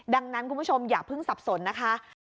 ดังนั้นคุณผู้ชมอย่าเพิ่งสับสนนะคะ